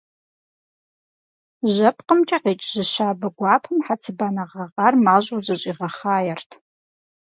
ЖьэпкъымкӀэ къикӀ жьы щабэ гуапэм хьэцыбанэ гъэгъар мащӀэу зэщӀигъэхъаерт.